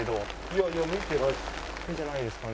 いやいや見てないですよ。